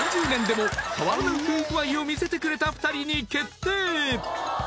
３０年でも変わらぬ夫婦愛を見せてくれた２人に決定